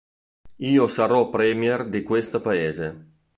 Io sarò Premier di questo Paese!